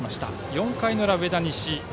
４回の裏、上田西。